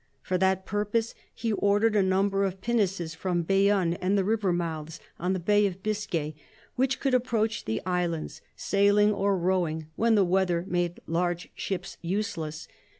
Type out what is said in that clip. For that purpose he ordered a number of pinnaces from Bayonne and the river mouths on the Bay of Biscay, which could approach the islands, sailing or rowing, when the weather made large ships useless.